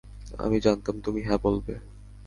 আমি জানতাম তুমি হ্যাঁ বলবে!